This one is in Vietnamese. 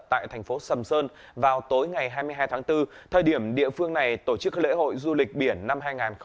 tại thành phố sầm sơn vào tối ngày hai mươi hai tháng bốn thời điểm địa phương này tổ chức lễ hội du lịch biển năm hai nghìn hai mươi bốn